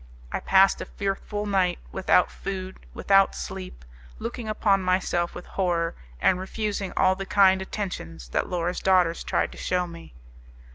I passed a fearful night without food, without sleep, looking upon myself with horror, and refusing all the kind attentions that Laura's daughters tried to shew me.